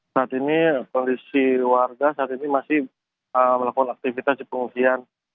saat ini kondisi warga saat ini masih melakukan aktivitas di pengungsian